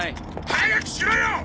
早くしろよ！